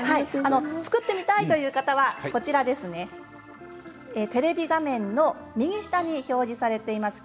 作ってみたい方はテレビ画面の右下に表示されています